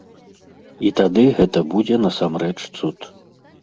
І тады гэта будзе насамрэч цуд.